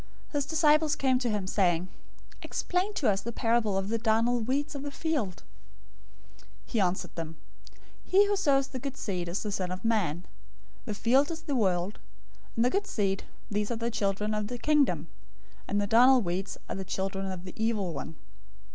His disciples came to him, saying, "Explain to us the parable of the darnel weeds of the field." 013:037 He answered them, "He who sows the good seed is the Son of Man, 013:038 the field is the world; and the good seed, these are the children of the Kingdom; and the darnel weeds are the children of the evil one.